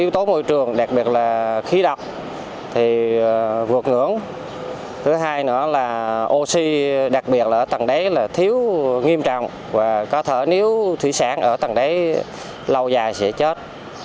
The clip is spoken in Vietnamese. thứ hai nữa là oxy đặc biệt là ở tầng đấy là thiếu nghiêm trọng và có thể nếu thủy sản ở tầng đấy lâu dài sẽ chết